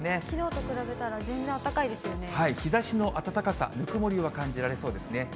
きのうと比べたら全然暖かい日ざしの暖かさ、ぬくもりを感じられそうですね。